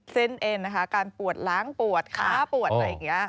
เอ็นนะคะการปวดล้างปวดขาปวดอะไรอย่างนี้